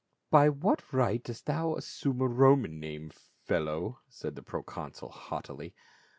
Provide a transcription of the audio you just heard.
"t " By what right dost thou assume a Roman name, fellow?" said the proconsul haughtily.